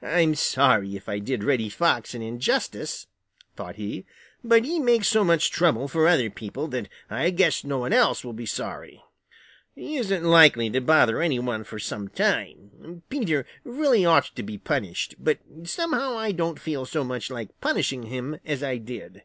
"I'm sorry if I did Reddy Fox an injustice," thought he, "but he makes so much trouble for other people that I guess no one else will be sorry. He isn't likely to bother any one for some time. Peter really ought to be punished, but somehow I don't feel so much like punishing him as I did.